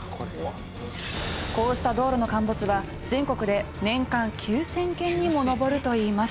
こうした道路の陥没は全国で年間９０００件にも上るといいます。